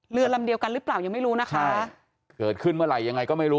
เรือลำเดียวกันหรือเปล่ายังไม่รู้นะคะเกิดขึ้นเมื่อไหร่ยังไงก็ไม่รู้